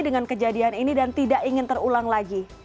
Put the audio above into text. dengan kejadian ini dan tidak ingin terulang lagi